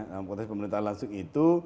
dalam konteks pemerintahan langsung itu